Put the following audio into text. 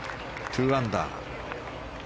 ２アンダー。